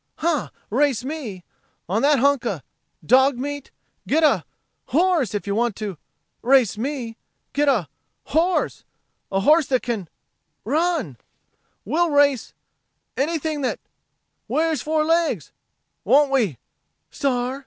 "Huh! Race me on that hunk o' dog meat. Get a horse! If you want to race me get a horse. A horse that can run! We'll race anything that wears four legs. Won't we Star?